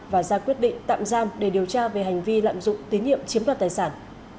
và ra quyết định tạm giam để điều tra về hành vi lạm dụng tín nhiệm chiếm đoạt tài sản